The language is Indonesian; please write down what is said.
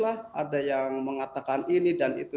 ada yang mengatakan ini dan itu